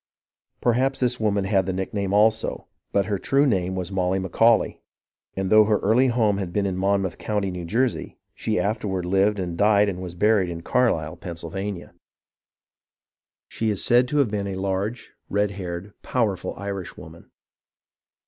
Perhaps this woman had the nickname also, but her true name was Molly Macaulay, and though her early home had been in Monmouth County, New Jersey, she after ward lived and died and was buried in Carlisle, Pennsyl MONMOUTH AND NEWPORT 243 vania. She is said to have been a large, red haired, powerful Irish woman.